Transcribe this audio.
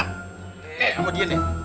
nih sama dia nih